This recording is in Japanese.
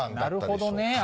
なるほどね。